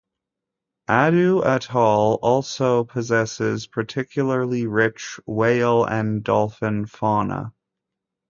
Addu Atoll also possesses particularly rich whale and dolphin fauna.